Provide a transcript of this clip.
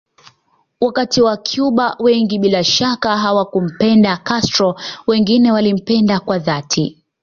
Wakati wacuba wengi bila shaka hawakumpenda Castro wengine walimpenda kwa dhati